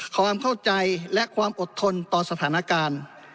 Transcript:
ความเข้าใจและความอดทนต่อสถานการณ์